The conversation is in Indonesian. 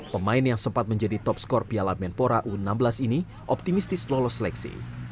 pemain yang sempat menjadi top skor piala menpora u enam belas ini optimistis lolos seleksi